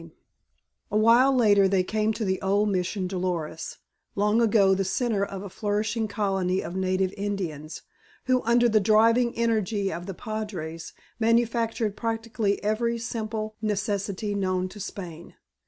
XXI A while later they came to the old Mission Dolores, long ago the center of a flourishing colony of native Indians, who, under the driving energy of the padres, manufactured practically every simple necessity known to Spain.